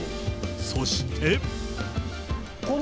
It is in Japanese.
そして。